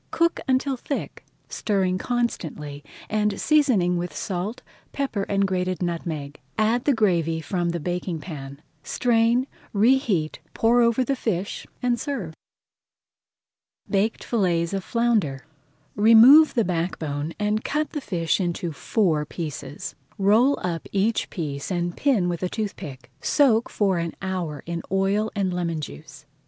Cook until thick, stirring constantly, and seasoning with salt, pepper, and grated nutmeg. Add the gravy from the baking pan, strain, reheat, pour over the fish, and serve. BAKED FILLETS OF FLOUNDER Remove the back bone and cut the fish into four pieces. Roll up each piece and pin with a toothpick. Soak for an hour in oil and lemon juice.